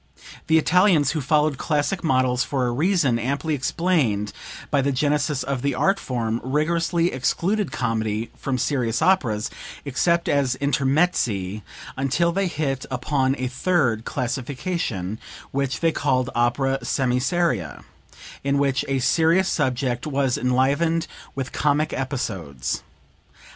The Italians, who followed classic models, for a reason amply explained by the genesis of the art form, rigorously excluded comedy from serious operas, except as intermezzi, until they hit upon a third classification, which they called opera semiseria, in which a serious subject was enlivened with comic episodes.